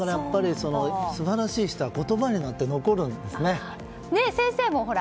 素晴らしい人は言葉になって残るんですね。